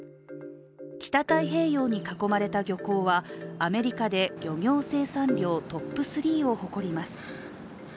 北太平洋に囲まれた漁港はアメリカで漁業生産量トップ３を誇ります。